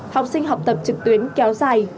học sinh học tập trực tuyến kéo dài